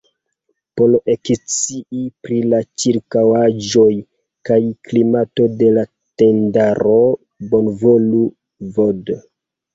Por ekscii pri la ĉirkaŭaĵoj kaj klimato de la tendaro bonvolu vd.